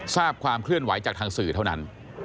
ทราบความเคลื่อนไหวจากทางสื่อเท่านั้น